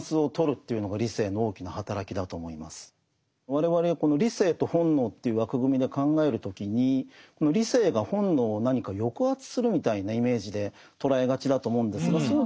我々この理性と本能という枠組みで考える時に理性が本能を何か抑圧するみたいなイメージで捉えがちだと思うんですがそう